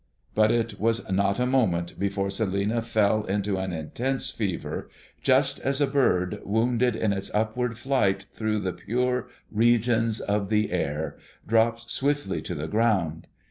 But it was not a moment before Celinina fell into an intense fever, just as a bird, wounded in its upward flight through the pure regions of the air, drops swiftly to the ground.